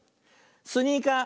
「スニーカー」。